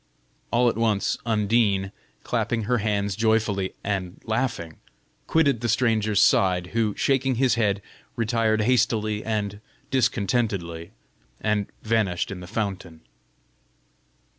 All at once Undine, clapping her hands joyfully, and laughing, quitted the stranger's side, who, shaking his head, retired hastily and discontentedly, and vanished in the fountain.